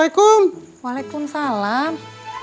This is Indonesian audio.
tidak harusnya cerita omong omong